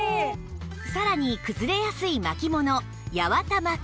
さらに崩れやすい巻物八幡巻き